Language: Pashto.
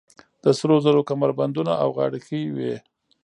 د سرو زرو کمربندونه او غاړکۍ وې